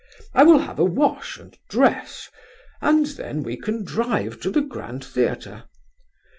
I will have a wash, and dress, and then we can drive to the Grand Theatre.